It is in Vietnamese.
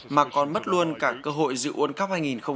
mà còn mất luôn cả cơ hội dự uân cấp hai nghìn một mươi tám